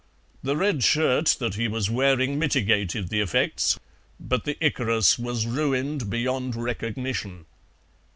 The red shirt that he was wearing mitigated the effects, but the Icarus was ruined beyond recognition.